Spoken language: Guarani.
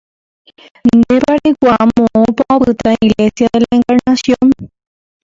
Ndépa reikuaa moõpa opyta Iglesia de la Encarnación.